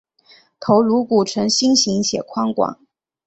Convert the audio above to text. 头颅骨呈心型且宽广。